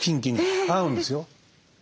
合うんですよ。